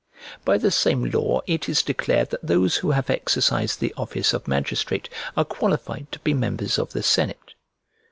By the same law it is declared that those who have exercised the office of magistrate are qualified to be members of the senate.